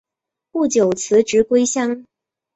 不久辞职归乡。